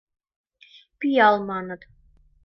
Пиал, маныт...